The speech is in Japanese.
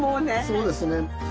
そうですね。